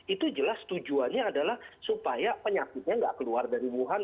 itu jelas tujuannya adalah supaya penyakitnya nggak keluar dari wuhan